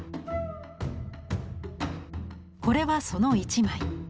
これはその一枚。